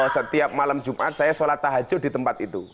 setiap malam jumat saya sholat tahajud di tempat itu